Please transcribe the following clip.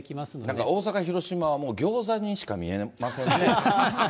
なんか大阪、広島はもう餃子にしか見えませんね。